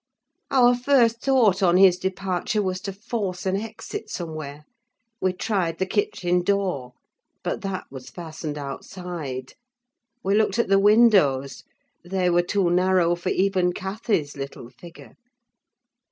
Our first thought, on his departure, was to force an exit somewhere. We tried the kitchen door, but that was fastened outside: we looked at the windows—they were too narrow for even Cathy's little figure.